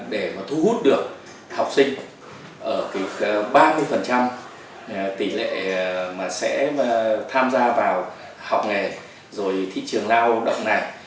để mà thu hút được học sinh ở cái ba mươi tỷ lệ mà sẽ tham gia vào học nghề rồi thị trường lao động này